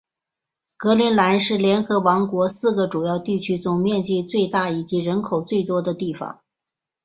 英格兰是联合王国四个主要地区中面积最大以及人口最多的地方。